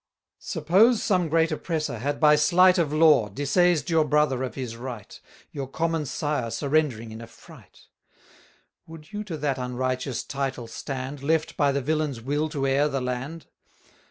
Suppose some great oppressor had by slight 710 Of law, disseised your brother of his right, Your common sire surrendering in a fright; Would you to that unrighteous title stand, Left by the villain's will to heir the land?